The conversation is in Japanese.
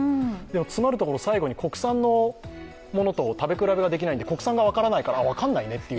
つまるところ最後に国産のものと食べ比べができないんで、国産が分からないから、あっ、分からないねという。